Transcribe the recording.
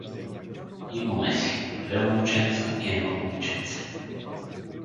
— Имаме си: две момченца и едно момиченце.